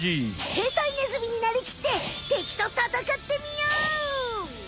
兵隊ネズミになりきって敵とたたかってみよう！